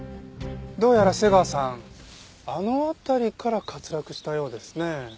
どうやら瀬川さんあの辺りから滑落したようですね。